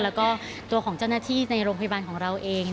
แล้วก็ตัวของเจ้าหน้าที่ในโรงพยาบาลของเราเอง